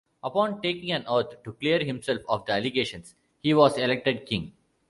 Upon taking an oath to clear himself of the allegations, he was elected king.